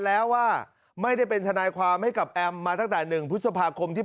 แล้วว่าไม่ได้เป็นทนายความให้กับแอมมาตั้งแต่๑พฤษภาคมที่